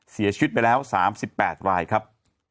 เสียชีวิตไปแล้ว๓๘รายครับ